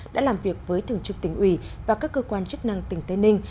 đã làm việc với thường trực tỉnh ủy và các cơ quan chức năng tỉnh tây ninh